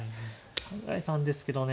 考えたんですけどね。